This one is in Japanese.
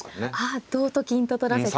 ああ同と金と取らせて。